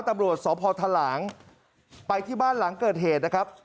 ตำรวจสพทหลางไปที่บ้านหลังเกิดเหตุนะครับ